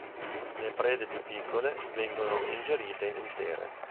Le prede più piccole vengono ingerite intere.